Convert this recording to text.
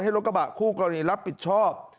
รถกระบะคู่กรณีรับผิดชอบ